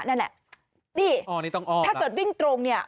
นั่นแหละนี่ถ้าเกิดวิ่งตรงเนี่ย